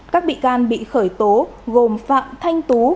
các bị can bị khởi tố gồm phạm thanh tú